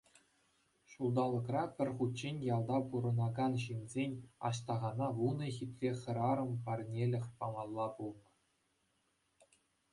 Ҫулталӑкра пӗр хутчен ялта пурӑнакан ҫынсен Аҫтахана вунӑ хитре хӗрарӑм парнелӗх памалла пулнӑ.